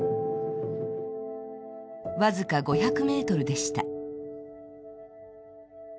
僅か５００ｍでした。